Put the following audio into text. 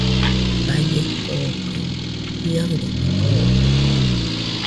Baie kokɨ jiaɨre boode.